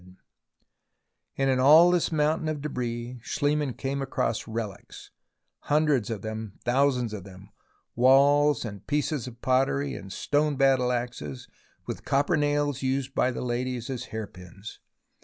And in all this mountain of debris Schliemann came across relics, hundreds of them, thousands of them, walls and pieces of pottery and stone battleaxes, with copper nails used by ladies as hair pins.